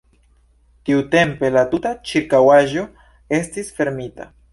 Tiutempe la tuta ĉirkaŭaĵo estis fermita.